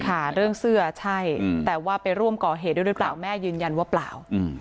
ค่ะเรื่องเสื้อใช่แต่ว่าไปร่วมก่อเหตุด้วยหรือเปล่าแม่ยืนยันว่าเปล่า